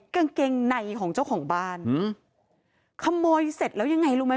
กางเกงในของเจ้าของบ้านอืมขโมยเสร็จแล้วยังไงรู้ไหม